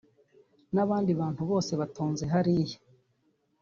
n’abandi bantu bose batonze hariya